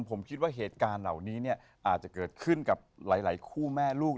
ผมคิดว่าเหตุการณ์เหล่านี้อาจจะเกิดขึ้นกับหลายคู่แม่ลูก